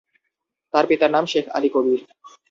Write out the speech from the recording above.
তার পিতার নাম শেখ আলী কবির।